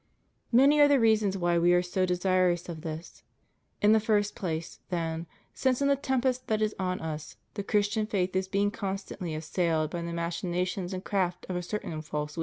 Many are the reasons why We are so desirous of this. In the first place, then, since in the tempest that is on us the Christian faith is being constantly assailed by the machinations and craft of a certain false wisdom, all » Sixtus v.